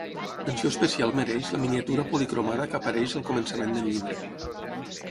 Menció especial mereix la miniatura policromada que apareix al començament del llibre.